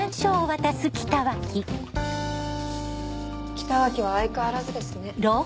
北脇は相変わらずですね。